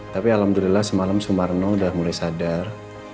tapi alhamdulillah semalam sumarno udah mulai sadar